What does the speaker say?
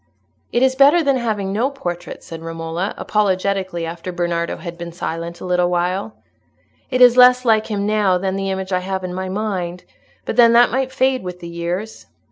"It is better than having no portrait," said Romola, apologetically, after Bernardo had been silent a little while. "It is less like him now than the image I have in my mind, but then that might fade with the years."